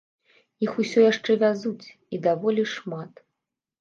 Іх усё яшчэ вязуць, і даволі шмат.